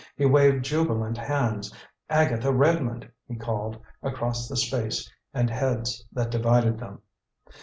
He waved jubilant hands. "Agatha Redmond!" he called, across the space and heads that divided them.